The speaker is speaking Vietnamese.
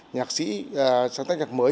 nhạc sĩ sáng tách nhạc mới